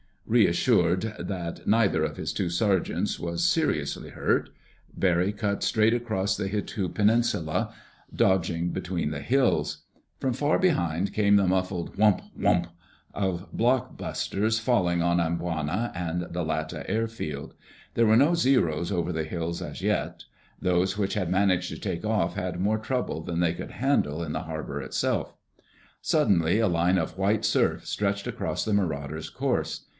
Reassured that neither of his two sergeants was seriously hurt, Barry cut straight across the Hitu Peninsula, dodging between the hills. From far behind came the muffled WHUMP, WHUMP, of block busters falling on Amboina and the Lata airfield. There were no Zeros over the hills as yet. Those which had managed to take off had more trouble than they could handle in the harbor itself. Suddenly a line of white surf stretched across the Marauder's course.